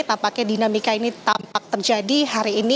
tampaknya dinamika ini tampak terjadi hari ini